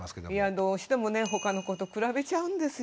どうしてもねほかの子と比べちゃうんですよ。